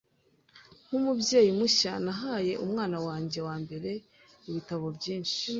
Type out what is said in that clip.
Nkumubyeyi mushya, nahaye umwana wanjye wambere ibitabo byinshi.